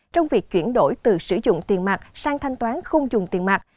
trong việc chuyển đổi từ sử dụng tiền mặt sang thanh toán không dùng tiền mặt